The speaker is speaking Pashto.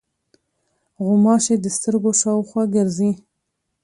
غوماشې د سترګو شاوخوا ګرځي.